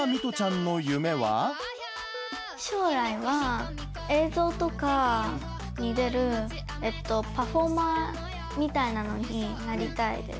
将来は、映像とかに出るパフォーマーみたいなのになりたいです。